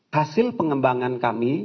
hasil pengembangan kami